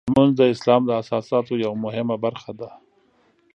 لمونځ د اسلام د اساساتو یوه مهمه برخه ده.